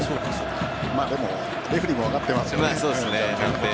でもレフェリーも分かってますよね。